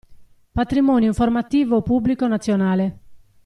Patrimonio informativo pubblico nazionale.